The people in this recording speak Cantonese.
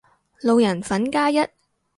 路人粉加一